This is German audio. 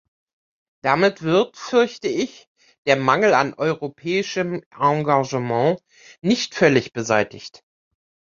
Damit wird, fürchte ich, der Mangel an europäischem Engagement nicht völlig beseitigt.